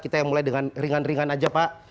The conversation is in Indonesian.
kita yang mulai dengan ringan ringan saja pak